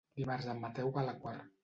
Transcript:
Dimarts en Mateu va a la Quar.